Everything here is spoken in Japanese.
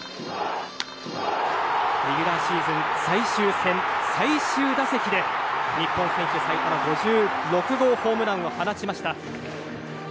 レギュラーシーズン最終戦最終打席で日本選手最多の５６号ホームランを放ちました。